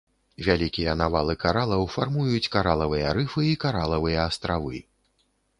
Вялікія навалы каралаў фармуюць каралавыя рыфы і каралавыя астравы.